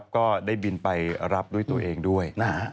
ก็ได้บินไปรับด้วยตัวเองด้วย